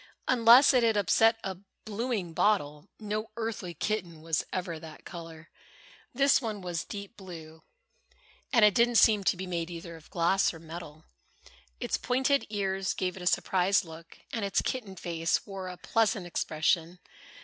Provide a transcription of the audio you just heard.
Unless it had upset a blueing bottle, no earthly kitten was ever that color. This one was deep blue, and it didn't seem to be made either of glass or metal. Its pointed ears gave it a surprised look and its kitten face wore a pleasant expression.